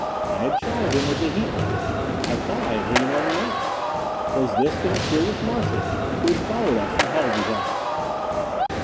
I had shot at him with the heat ray; I thought I had hit him on the arm. Was this the mysterious Martian who had followed us from Halsey's office?